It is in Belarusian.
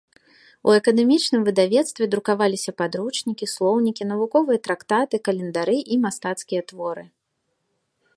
У акадэмічным выдавецтве друкаваліся падручнікі, слоўнікі, навуковыя трактаты, календары і мастацкія творы.